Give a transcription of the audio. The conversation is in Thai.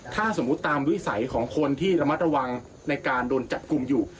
ถ้าสมมุติตามวิสัยของคนที่ระมัดระวังในการโดนจับกลุ่มอยู่